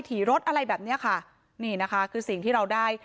ขี่รถอะไรแบบเนี้ยค่ะนี่นะคะคือสิ่งที่เราได้